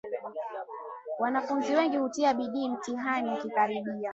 Wanafunzi wengi hutia bidii mtihani ukikaribia